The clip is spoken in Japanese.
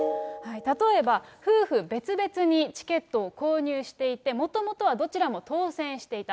例えば、夫婦別々にチケットを購入していて、もともとはどちらも当せんしていた。